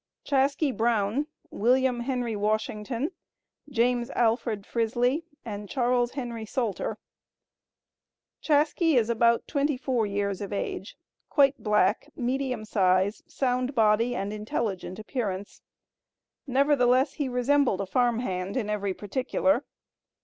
Chaskey Brown, Wm. Henry Washington, James Alfred Frisley, and Charles Henry Salter. Chaskey is about twenty four years of age, quite black, medium size, sound body and intelligent appearance, nevertheless he resembled a "farm hand" in every particular.